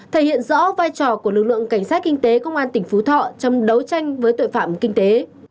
thể hiện rõ vai trò của lực lượng cảnh sát kinh tế công an tỉnh phú thọ trong đấu tranh với tội phạm kinh tế